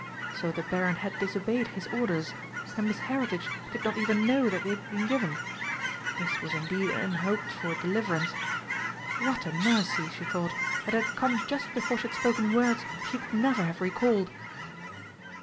So the Baron had disobeyed his orders, and Miss Heritage did not even know that they had been given! This was indeed an unhoped for deliverance. What a mercy, she thought, that it had come just before she had spoken words she could never have recalled!